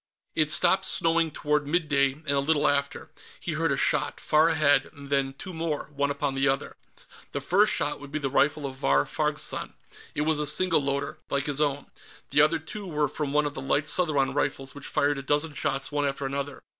It stopped snowing toward mid day, and a little after, he heard a shot, far ahead, and then two more, one upon the other. The first shot would be the rifle of Vahr Farg's son; it was a single loader, like his own. The other two were from one of the light Southron rifles, which fired a dozen shots one after another.